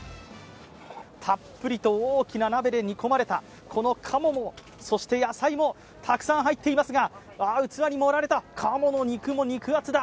たっぷりと大きな鍋で煮込まれた、この鴨もそして野菜もたくさん入っていますが、ああ、器に盛られた鴨の肉も、肉厚だ。